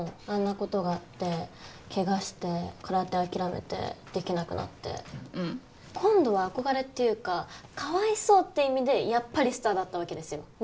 あんなことがあってケガして空手諦めてできなくなってうん今度は憧れっていうかかわいそうっていう意味でやっぱりスターだったわけですよ